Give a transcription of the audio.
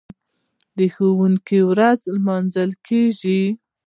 د ښوونکي ورځ لمانځل کیږي.